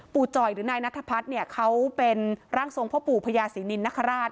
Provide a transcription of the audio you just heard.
จ่อยหรือนายนัทพัฒน์เนี่ยเขาเป็นร่างทรงพ่อปู่พญาศรีนินนคราช